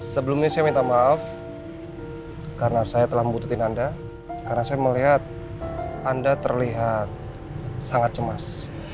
sebelumnya saya minta maaf karena saya telah membutuhkan anda karena saya melihat anda terlihat sangat cemas